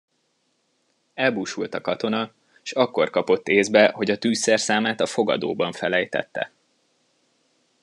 Elbúsult a katona, s akkor kapott észbe, hogy a tűzszerszámát a fogadóban felejtette.